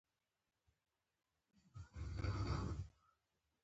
د اخلاقي لوېدا بدترینه بڼه ده.